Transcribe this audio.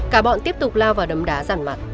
cả bọn tiếp tục lao vào đầm đá giản mặt